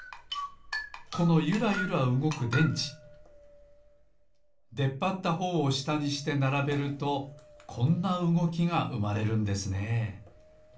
このゆらゆらうごく電池でっぱったほうをしたにしてならべるとこんなうごきがうまれるんですね